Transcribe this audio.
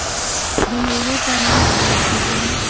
د میوو پاڼې هم کارول کیږي.